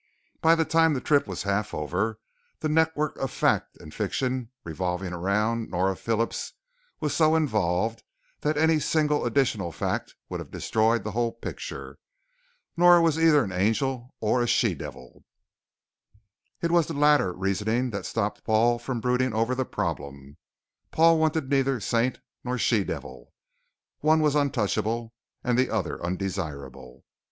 By the time the trip was half over, the network of fact and fiction revolving around Nora Phillips was so involved that any single additional fact would have destroyed the whole picture. Nora was either angel or she devil. It was the latter reasoning that stopped Paul from brooding over the problem. Paul wanted neither saint nor she devil. One was untouchable and the other undesirable.